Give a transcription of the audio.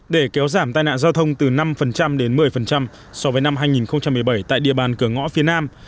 để kéo giảm tai nạn giao thông từ năm đến một mươi so với năm hai nghìn một mươi bảy tại địa bàn cửa ngõ phía nam